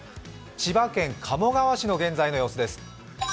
千葉県鴨川市の現在の様子です。